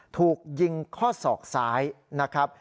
ถูกยิงข้อศอกซ้ายนะครับ